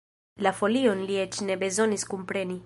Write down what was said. La folion li eĉ ne bezonis kunpreni!